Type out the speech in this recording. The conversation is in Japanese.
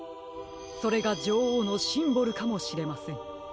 それがじょおうのシンボルかもしれません。